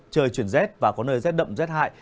trời chuyển rét và có nơi rét đậm rét hại